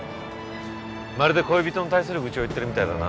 まるで恋人に対する愚痴を言ってるみたいだな。